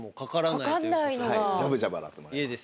ジャブジャブ洗ってもらえます。